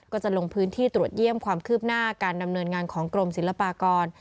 ก็จะลงพื้นที่ตรวจเยี่ยมความคืบหน้าการดำเนินงานของกรมศิลปากร